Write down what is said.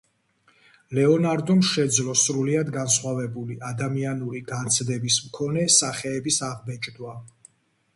ლეონარდომ შეძლო სრულიად განსხვავებული, ადამიანური განცდების მქონე სახეების აღბეჭდვა.